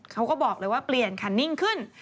เขาก็บอกเลยว่าเปลี่ยนคันนิ่งขึ้น